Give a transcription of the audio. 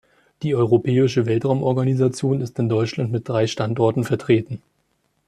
Die Europäische Weltraumorganisation ist in Deutschland mit drei Standorten vertreten.